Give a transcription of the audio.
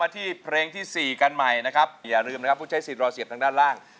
อ๋อแต่เพลงเท่านี้เถอะครับไม่แน่นะคะอย่าเพิ่งดีใจไปคุณแนน